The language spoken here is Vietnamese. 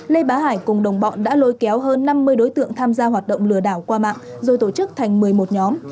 lê bá hải cùng đồng bọn đã lôi kéo hơn năm mươi đối tượng tham gia hoạt động lừa đảo qua mạng rồi tổ chức thành một mươi một nhóm